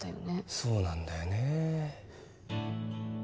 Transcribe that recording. そうなんだよね